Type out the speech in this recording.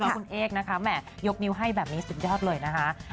คุณเอกนะคะแหม่ยกนิ้วให้แบบนี้สุดยอดเลยนะคะ